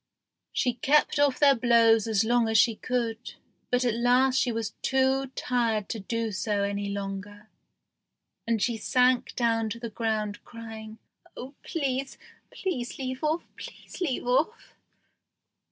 She kept off their blows as long as she could, but at last she was too tired to do so any longer, and she sank down to the ground crying, "Oh, please leave off! please leave off!"